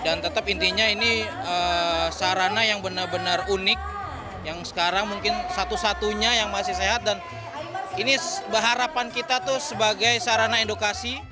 dan tetap intinya ini sarana yang benar benar unik yang sekarang mungkin satu satunya yang masih sehat dan ini berharapan kita tuh sebagai sarana edukasi